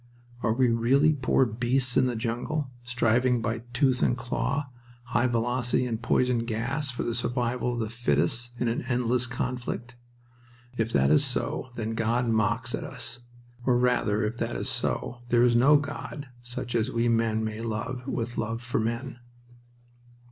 Are we really poor beasts in the jungle, striving by tooth and claw, high velocity and poison gas, for the survival of the fittest in an endless conflict? If that is so, then God mocks at us. Or, rather, if that is so, there is no God such as we men may love, with love for men.